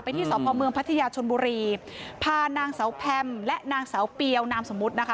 ที่สพเมืองพัทยาชนบุรีพานางเสาแพมและนางสาวเปียวนามสมมุตินะคะ